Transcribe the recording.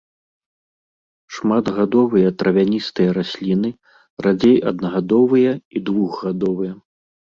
Шматгадовыя травяністыя расліны, радзей аднагадовыя і двухгадовыя.